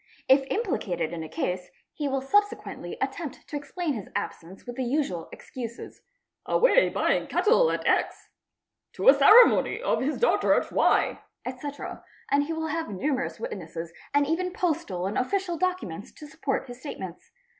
If | implicated in a case, he will subsequently attempt to explain his absence with the usual excuses—'' away buying cattle at X"', "' to a ceremony of his daughter at Y"', etc., and he will have numerous witnesses and even postal and official documents to support his statements.